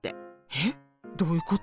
えっどういうこと？